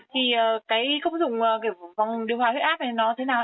thì cái công dụng cái vòng điều hòa huyết áp này nó thế nào